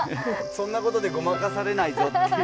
そんなことでごまかされないぞっていう。